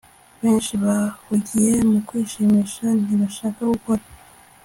Benshi bahugiye mu kwishimisha ntibashaka gukora